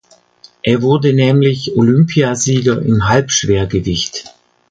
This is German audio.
Er wurde nämlich Olympiasieger im Halbschwergewicht.